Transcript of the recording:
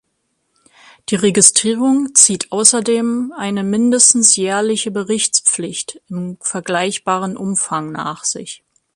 Die Registrierung zieht außerdem eine mindestens jährliche Berichtspflicht in vergleichbarem Umfang nach sich.